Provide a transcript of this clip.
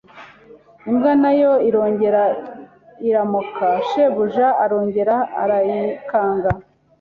imbwa na yo irongera iramoka Shebuja arongera arayikanga